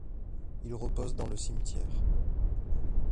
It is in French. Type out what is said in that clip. Ils reposent dans le cimetière.